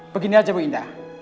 begini aja bu indah